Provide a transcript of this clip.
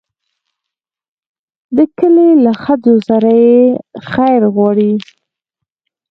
انا د کلي له ښځو سره خیر غواړي